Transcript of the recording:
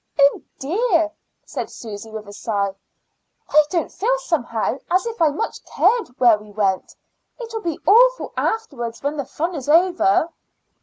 "Oh, dear!" said Susy, with a sigh; "I don't feel, somehow, as if I much cared where we went. It will be awful afterwards when the fun is over."